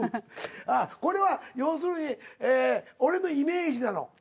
これは要するに俺のイメージなの？